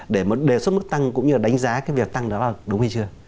để đề xuất mức tăng cũng như đánh giá việc tăng đó là đúng hay chưa